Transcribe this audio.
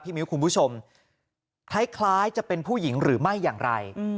มิ้วคุณผู้ชมคล้ายจะเป็นผู้หญิงหรือไม่อย่างไร